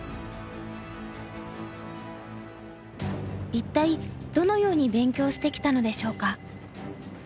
一体どのように勉強してきたのでしょうか？